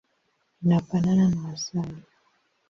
Inafanana na asali.